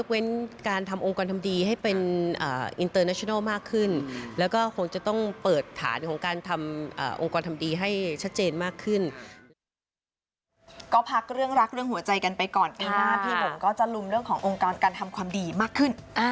ก็พักเรื่องรักเรื่องหัวใจกันไปก่อนปีหน้าพี่บุ๋มก็จะลุมเรื่องขององค์กรการทำความดีมากขึ้น